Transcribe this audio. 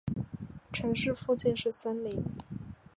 城市附近是森林。